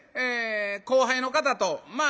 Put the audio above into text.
後輩の方とまあ